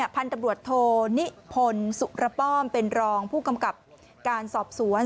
พันธุ์ตำรวจโทนิพลสุรป้อมเป็นรองผู้กำกับการสอบสวน